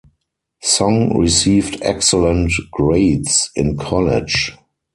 Song received excellent grades in college.